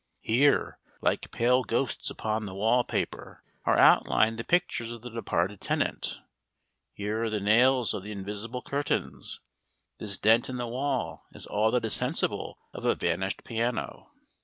Here, like pale ghosts upon the wall paper, are outlined the pictures of the departed tenant; here are the nails of the invisible curtains, this dent in the wall is all that is sensible of a vanished piano.